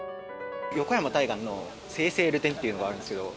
横山大観の『生々流転』っていうのがあるんですけど。